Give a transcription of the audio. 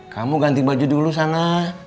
kamu ganti baju dulu sana